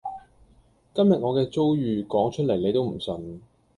今日我嘅遭遇講出嚟你都唔信